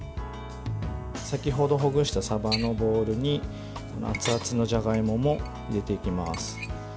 先程ほぐしたさばのボウルに熱々のじゃがいもも入れていきます。